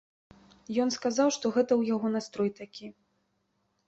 Ён сказаў, што гэта ў яго настрой такі.